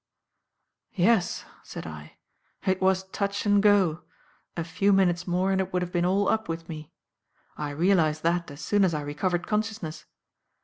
"Yes," said I, "it was touch and go. A few minutes more and it would have been all up with me. I realised that as soon as I recovered consciousness.